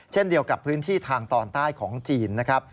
เช่นเดียวกับพื้นที่ทางตอนใต้ของจีนนะครับ